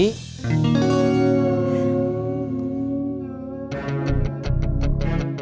biar dia berpikir